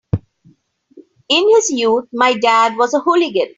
In his youth my dad was a hooligan.